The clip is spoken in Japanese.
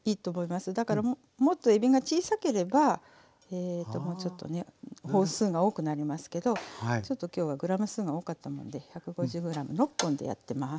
だからもっとえびが小さければもうちょっと本数が多くなりますけどちょっときょうはグラム数が多かったもので１５０ｇ６本でやってます。